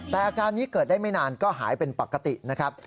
แต่อาการนี้เกิดได้ไม่นานก็หายเป็นปกตินะครับ